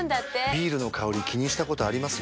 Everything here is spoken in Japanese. ビールの香り気にしたことあります？